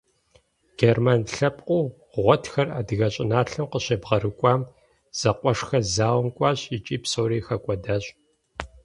Герман лъэпкъыу гъуэтхэр адыгэ щӏыналъэм къыщебгъэрыкӏуэм зэкъуэшхэр зауэм кӏуащ икӏи псори хэкӏуэдащ.